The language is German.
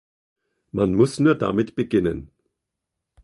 Man muss nur damit beginnen.